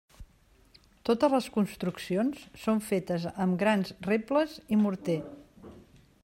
Totes les construccions són fetes amb grans rebles i morter.